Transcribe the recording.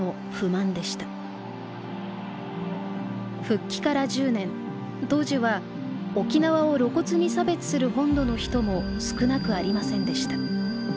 復帰から１０年当時は沖縄を露骨に差別する本土の人も少なくありませんでした。